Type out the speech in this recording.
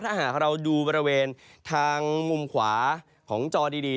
ถ้าหากเราดูบริเวณทางมุมขวาของจอดี